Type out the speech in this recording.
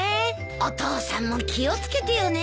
お父さんも気を付けてよね。